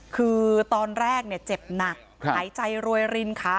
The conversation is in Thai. คือตอนแรกเจ็บหนักหายใจรวยรินค่ะ